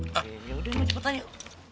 yaudah cepetan yuk